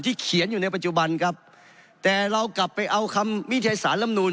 เขียนอยู่ในปัจจุบันครับแต่เรากลับไปเอาคำวิจัยสารลำนูน